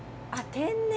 天然？